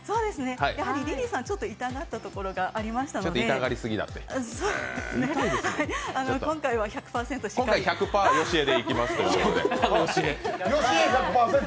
やはりリリーさん、ちょっと痛がったところがありましたので今回は１００％のよしえでいきますので。